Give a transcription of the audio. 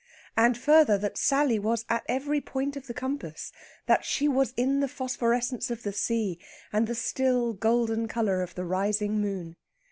And, further, that Sally was at every point of the compass that she was in the phosphorescence of the sea, and the still golden colour of the rising moon.